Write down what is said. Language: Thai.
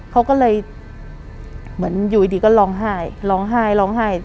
เขาก็เลยเหมือนอยู่ดีก็ร้องไห้ร้องไห้ร้องไห้